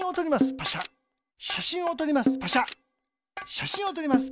しゃしんをとります。